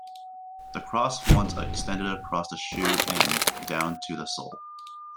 The cross once extended across the shoe and down to the sole.